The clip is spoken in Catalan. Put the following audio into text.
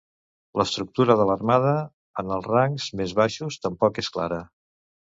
L'estructura de l'armada en els rangs més baixos tampoc és clara.